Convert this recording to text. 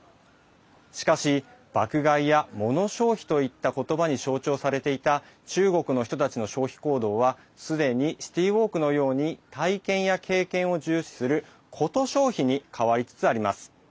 しかし爆買いやモノ消費といった言葉に象徴されていた中国の人たちの消費行動はすでにシティーウォークのように体験や経験を重視するコト消費に変わりつつあります。